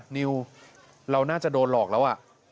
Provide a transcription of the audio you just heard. นิวเราน่าจะโดนหลอกแล้ว